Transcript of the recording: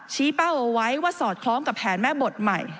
เป้าเอาไว้ว่าสอดคล้องกับแผนแม่บทใหม่